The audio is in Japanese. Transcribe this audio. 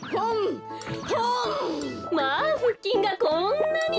まあふっきんがこんなに！